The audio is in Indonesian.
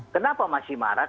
kenapa masih marat